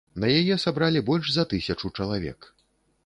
На яе сабралі больш за тысячу чалавек.